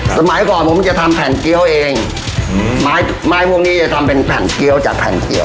สมัยก่อนผมจะทำแผ่นเกี้ยวเองอืมไม้ไม้พวกนี้จะทำเป็นแผ่นเกี้ยวจากแผ่นเกี้ยว